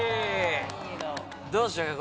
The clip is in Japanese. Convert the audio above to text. どうしようか？